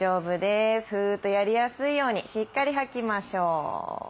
フーッとやりやすいようにしっかり吐きましょう。